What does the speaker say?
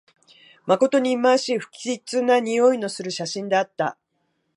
まことにいまわしい、不吉なにおいのする写真であった